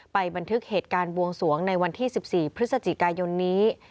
บันทึกเหตุการณ์บวงสวงในวันที่๑๔พฤศจิกายนนี้